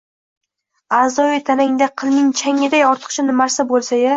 A’zoyi-tanangda qilning changiday oshiqcha nimarsa bo‘lsaya?